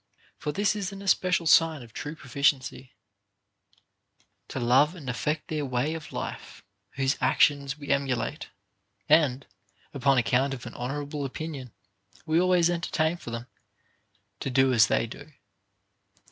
For this is an especial sign of true proficiency, to love and affect their way of life whose actions we emulate, and, upon account of an honorable opinion we always en tertain for them, to do as they do.